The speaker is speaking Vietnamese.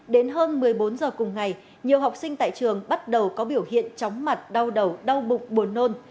đến hơn một mươi bốn giờ cùng ngày nhiều học sinh tại trường bắt đầu có biểu hiện chóng mặt đau đầu đau bụng buồn nôn